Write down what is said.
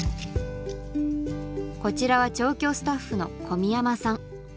こちらは調教スタッフの小宮山さん